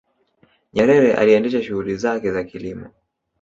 nyerere aliendesha shughuli zake za kilimo